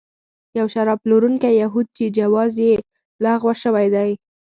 یو شراب پلورونکی یهود چې جواز یې لغوه شوی دی.